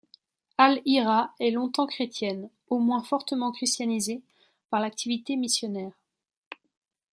Al-Hîra est longtemps chrétienne, au moins fortement christianisée, par l'activité missionnaire.